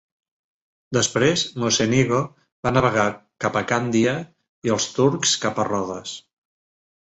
Després, Mocenigo va navegar cap a Càndia, i els turcs cap a Rodes.